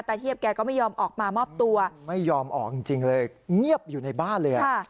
เฮียบแกก็ไม่ยอมออกมามอบตัวไม่ยอมออกจริงเลยเงียบอยู่ในบ้านเลย